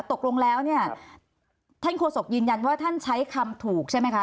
ตกลงแล้วเนี่ยท่านโฆษกยืนยันว่าท่านใช้คำถูกใช่ไหมคะ